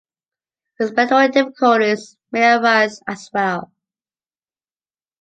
Respiratory difficulties may arise as well.